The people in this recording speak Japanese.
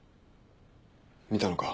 見たのか？